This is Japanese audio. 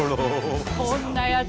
こんなやつ